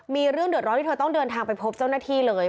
มีเรื่องเดือดร้อนที่เธอต้องเดินทางไปพบเจ้าหน้าที่เลย